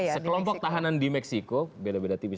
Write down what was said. sekelompok tahanan di meksiko beda beda tipis